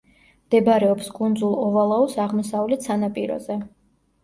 მდებარეობს კუნძულ ოვალაუს აღმოსავლეთ სანაპიროზე.